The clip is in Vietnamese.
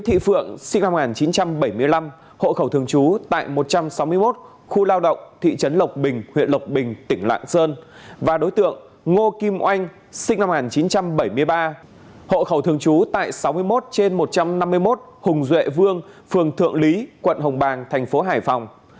hộ khẩu thường chú tại sáu mươi một trên một trăm năm mươi một hùng duệ vương phường thượng lý quận hồng bàng thành phố hải phòng